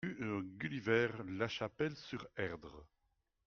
Rue Gulliver, La Chapelle-sur-Erdre